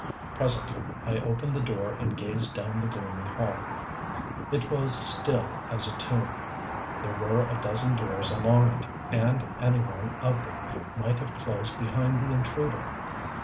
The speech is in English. Presently I opened the door and gazed down the gloomy hall. It was still as a tomb. There were a dozen doors along it, and any one of them might have closed behind the intruder.